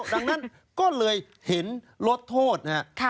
ดังนั้นก็เลยเห็นลดโทษนะครับ